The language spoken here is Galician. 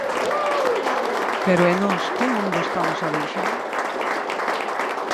Pero e nós, que mundo estamos a deixar?